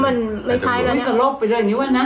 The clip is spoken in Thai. มันไม่ใช่ล่ะจะพูดสะโลกไปเรื่องนี้นะ